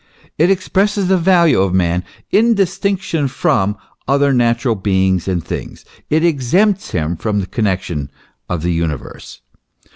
It expresses the value of man, in distinction from other natural beings and things ; it exempts him from the connexion of the universe.